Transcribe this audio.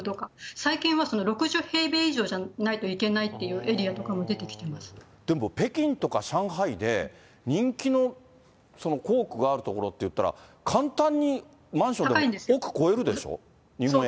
最近は６０平米以上じゃないといけないというエリアとかも出てきでも、北京とか上海で人気の校区がある所っていったら、簡単にマンションは億超えるでしょ、日本円で。